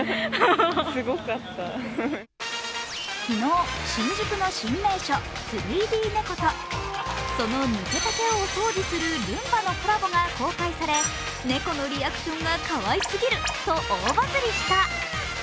昨日、新宿の新名所・３Ｄ猫はその抜けた毛をお掃除するルンバのコラボが公開され、猫のリアクションがかわいすぎると大バズりした。